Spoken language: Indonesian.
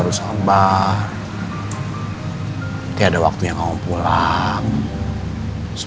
lo jangan bohong ya